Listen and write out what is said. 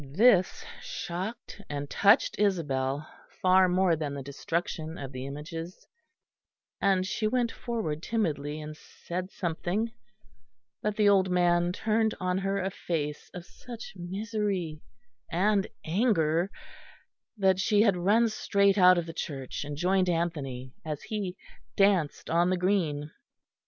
This shocked and touched Isabel far more than the destruction of the images; and she went forward timidly and said something; but the old man turned on her a face of such misery and anger that she had run straight out of the church, and joined Anthony as he danced on the green.